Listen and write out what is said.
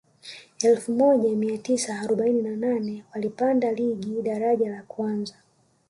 elfu moja mia tisa arobaini na nane walipanda ligi daraja la kwanza